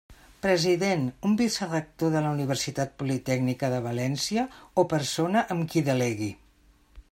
President: un vicerector de la Universitat Politècnica de València o persona en qui delegue.